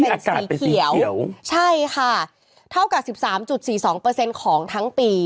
เป็นสีเขียวใช่ค่ะเท่ากับ๑๓๔๒ของทั้งปี